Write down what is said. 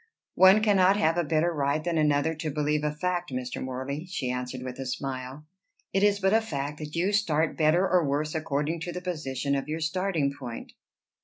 "One cannot have a better right than another to believe a fact, Mr. Morley," she answered with a smile. "It is but a fact that you start better or worse according to the position of your starting point."